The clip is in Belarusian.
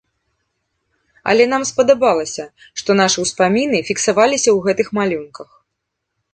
Але нам спадабалася, што нашы ўспаміны фіксаваліся ў гэтых малюнках.